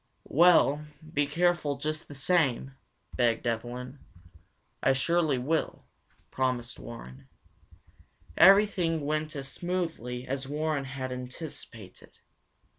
"Well, be careful just the same," begged Evelyn. "I surely will," promised Warren. Everything went as smoothly as Warren had anticipated.